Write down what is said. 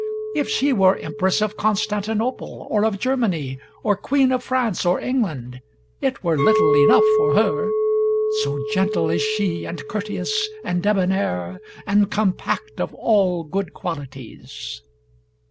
If she were Empress of Constantinople or of Germany, or Queen of France or England, it were little enough for her; so gentle is she and courteous, and debonaire, and compact of all good qualities."